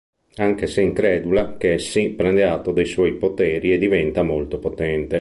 Anche se incredula, Cassie prende atto dei suoi poteri e diventa molto potente.